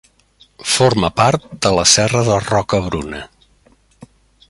Forma part de la serra de Rocabruna.